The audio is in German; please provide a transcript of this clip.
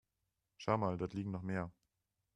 Schau mal, dort liegen noch mehr.